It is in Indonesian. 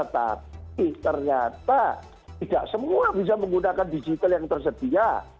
tapi ternyata tidak semua bisa menggunakan digital yang tersedia